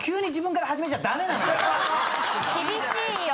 厳しいよ。